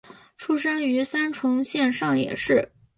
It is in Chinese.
出生于三重县上野市。